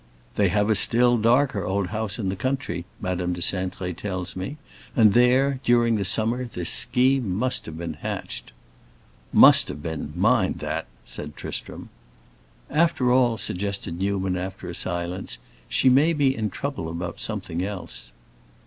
"They have a still darker old house in the country Madame de Cintré tells me, and there, during the summer this scheme must have been hatched." "Must have been; mind that!" said Tristram. "After all," suggested Newman, after a silence, "she may be in trouble about something else."